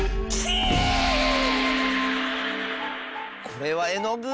これはえのぐ？